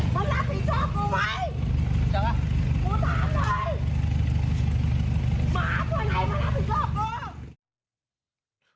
กูถามเลยหมาตัวไหนมันรับผิดชอบกู